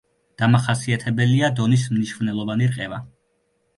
დამახასიათებელია დონის მნიშვნელოვანი რყევა.